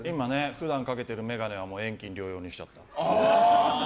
普段かけてるメガネは遠近両用にしちゃった。